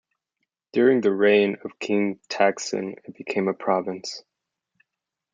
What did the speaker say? During the reign of King Taksin it became a province.